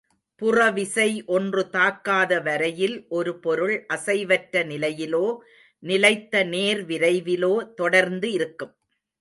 புறவிசை ஒன்று தாக்காத வரையில் ஒரு பொருள் அசைவற்ற நிலையிலோ நிலைத்த நேர்விரைவிலோ தொடர்ந்து இருக்கும்.